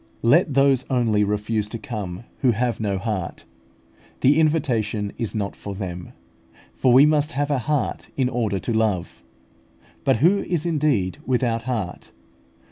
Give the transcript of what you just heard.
Let those only refuse to come who have no heart. The invitation is not for them; for we must have a heart in order to love. But who is indeed without heart?